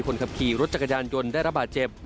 คนขับขี่รถจักรยานยนต์ได้ระบาดเจ็บ